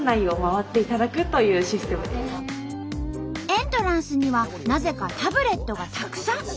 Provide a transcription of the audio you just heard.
エントランスにはなぜかタブレットがたくさん。